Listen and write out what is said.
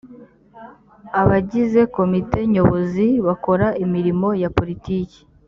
abagize komite nyobozi bakora imirimo ya politiki